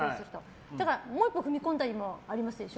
だからもう一歩踏み込んだりもありますでしょ？